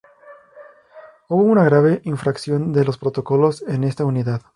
Hubo una grave infracción de los protocolos en esta Unidad.